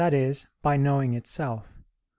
by knowing itself (Q.